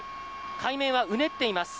海面はうねっています。